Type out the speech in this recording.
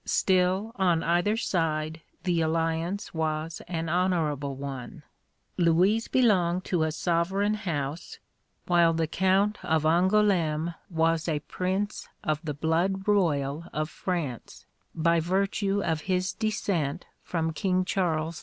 Still, on either side the alliance was an honourable one. Louise belonged to a sovereign house, while the Count of Angoulême was a prince of the blood royal of France by virtue of his descent from King Charles V.